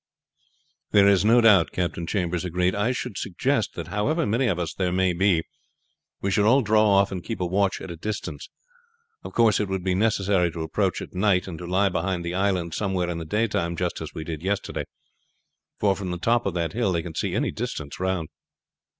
"That is so, no doubt," Captain Chambers agreed. "I should suggest that however many of us there may be we should all draw off and keep a watch at a distance. Of course it would be necessary to approach at night, and to lie behind the island somewhere in the daytime just as we did yesterday, for from the top of that hill they can see any distance round."